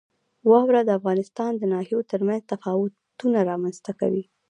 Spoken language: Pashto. واوره د افغانستان د ناحیو ترمنځ تفاوتونه رامنځ ته کوي.